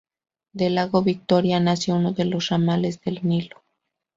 Del lago Victoria nace uno de los ramales del Nilo.